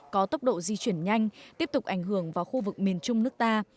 có tốc độ di chuyển nhanh tiếp tục ảnh hưởng vào khu vực miền trung nước ta